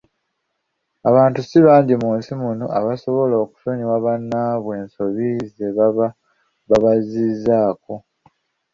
Abantu si bangi mu nsi muno abasobola okusonyiwa bannaabwe ensobi ze baba babazzizzaako.